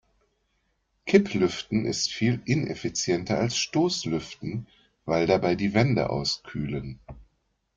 Kipplüften ist viel ineffizienter als Stoßlüften, weil dabei die Wände auskühlen.